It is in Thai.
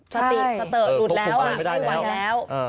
ตะติสะเติบหลุดแล้วอ่ะหลุดหวังแล้ว